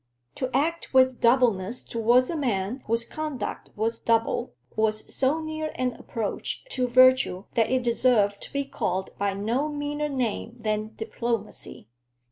To act with doubleness towards a man whose conduct was double, was so near an approach to virtue that it deserved to be called by no meaner name than diplomacy.